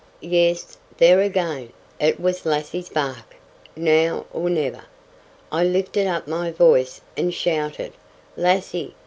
Yes! there again! It was Lassie's bark! Now or never! I lifted up my voice and shouted "Lassie!